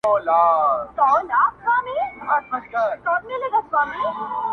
ورته سپک په نظر ټوله موږکان دي,